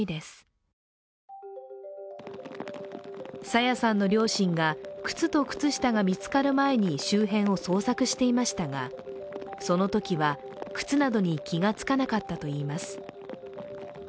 朝芽さんの両親が、靴と靴下が見つかる前に周辺を捜索していましたが、そのときは、靴などに気がつかなかったといいます。